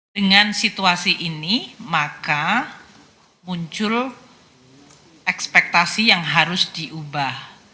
dengan situasi ini maka muncul ekspektasi yang harus diubah